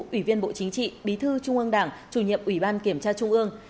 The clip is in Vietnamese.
ủy viên bộ chính trị bí thư trung ương đảng chủ nhiệm ủy ban kiểm tra trung ương